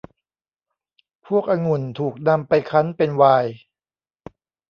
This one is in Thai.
พวกองุ่นถูกนำไปคั้นเป็นไวน์